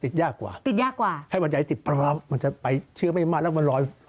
ติดยากกว่าไข้วัดใหญ่ติดปร้อมมันจะไปเชื้อไม่มากแล้วก็มันร้อน